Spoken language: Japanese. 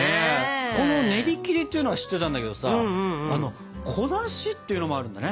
このねりきりっていうのは知ってたんだけどさ「こなし」っていうのもあるんだね。